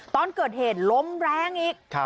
ตอนเกิดเหตุลมแรงอีก